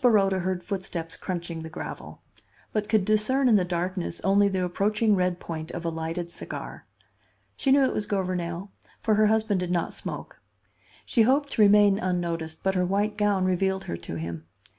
Baroda heard footsteps crunching the gravel; but could discern in the darkness only the approaching red point of a lighted cigar. She knew it was Gouvernail, for her husband did not smoke. She hoped to remain unnoticed, but her white gown revealed her to him.